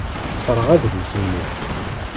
Tesserɣ adlis-nni.